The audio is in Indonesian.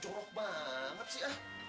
jorok banget sih